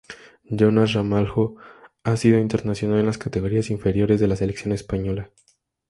Jonás Ramalho ha sido internacional en las categorías inferiores de la selección española.